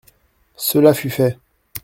Cela fut fait.